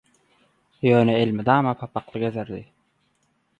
ýöne elmydam papakly gezerdi.